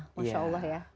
masya allah ya